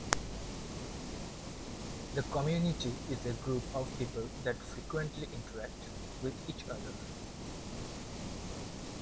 The community is a group of people that frequently interact with each other.